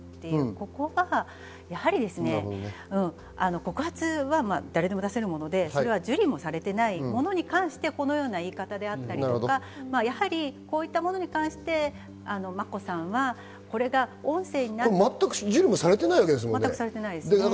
ここは、告発は誰でも出せるもので受理もされていないものに関して、このような言い方であったりとか、こういったものに関して眞子さんは。全く受理されていないですもんね。